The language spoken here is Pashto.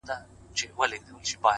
نه؛ مزل سخت نه و، آسانه و له هري چاري،